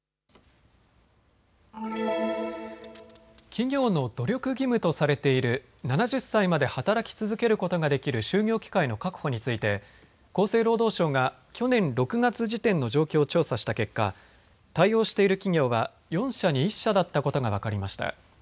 企業の努力義務とされている７０歳まで働き続けることができる就業機会の確保について厚生労働省が去年６月時点の状況を調査した結果、対応している企業は４社に１社だったことが分かりました。